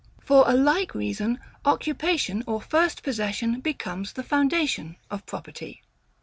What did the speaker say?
For a like reason, occupation or first possession becomes the foundation of property.